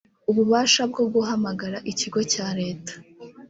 ububasha bwo guhamagara ikigo cya leta